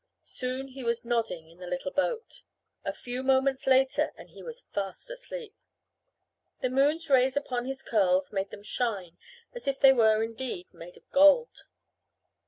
Soon he was nodding in the little boat. A few moments later and he was fast asleep. The moon's rays upon his curls made them shine as if they were indeed made of gold.